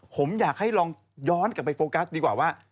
ผมอยากให้ลองย้อนกลับไปโฟกัสดีกว่าว่า